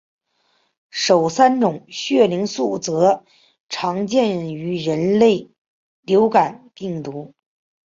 首三种血凝素则常见于人类流感病毒。